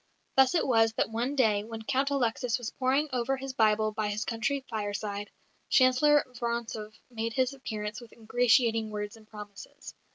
Thus it was that one day, when Count Alexis was poring over his Bible by his country fireside, Chancellor Vorontsov made his appearance with ingratiating words and promises.